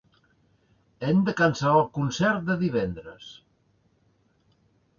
Hem de cancel·lar el concert de divendres.